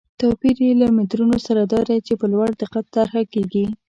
توپیر یې له مترونو سره دا دی چې په لوړ دقت طرحه کېږي.